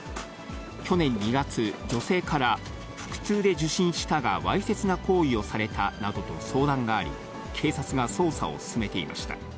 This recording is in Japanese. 去年２月、女性から、腹痛で受診したがわいせつな行為をされたなどと相談があり、警察が捜査を進めていました。